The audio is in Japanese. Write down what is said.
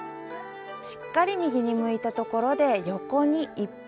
しっかり右に向いたところで横に一歩。